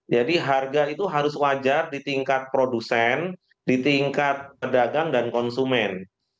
jadi harga itu harus wajar di tingkat produsen di tingkat pedagang dan konsumen